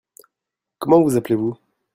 Comment vous appelez-vous ?